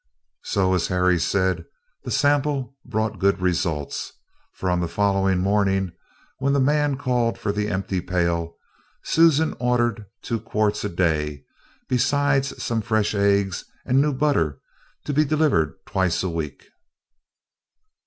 So, as Harry said, the sample brought good results, for on the following morning, when the man called for the empty pail, Susan ordered two quarts a day, besides some fresh eggs and new butter to be delivered twice a week.